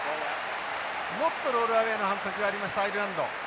ノットロールアウェイの反則がありましたアイルランド。